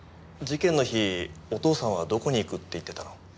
事件の日お父さんはどこに行くって言ってたの？